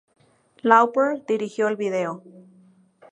Lauper dirigió el vídeo.